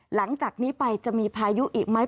หลังจากนี้ไปจะมีพายุอีกไหม